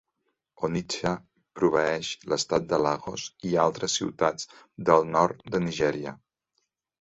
Onitsha proveeix l'Estat de Lagos i altres ciutats del nord de Nigèria.